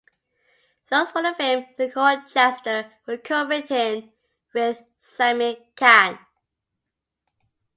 Those for the film "The Court Jester" were co-written with Sammy Cahn.